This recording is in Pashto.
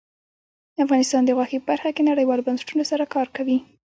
افغانستان د غوښې په برخه کې نړیوالو بنسټونو سره کار کوي.